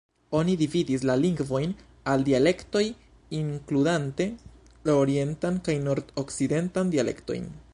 Oni dividis la lingvojn al dialektoj, inkludante la orientan kaj nord-okcidentan dialektojn.